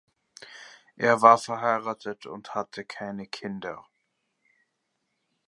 Er war verheiratet und hatte keine Kinder.